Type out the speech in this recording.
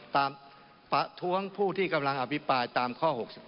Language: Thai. ประท้วงผู้ที่กำลังอภิปรายตามข้อ๖๗